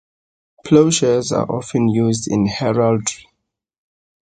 Plowshares are often used in heraldry.